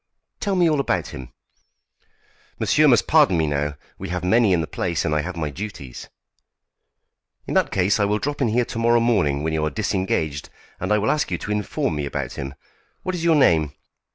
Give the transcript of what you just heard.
"Tell me all about him." "Monsieur must pardon me now. We have many in the place, and I have my duties." "In that case I will drop in here to morrow morning when you are disengaged, and I will ask you to inform me about him. What is your name?"